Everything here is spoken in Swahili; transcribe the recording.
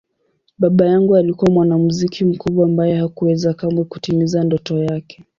Baba yangu alikuwa mwanamuziki mkubwa ambaye hakuweza kamwe kutimiza ndoto yake.